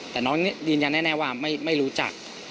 แต่น้องยืนยันแน่ว่าไม่รู้จัก